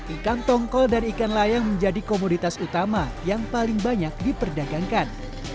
ikan tongkol dan ikan layang menjadi komoditas utama yang paling banyak diperdagangkan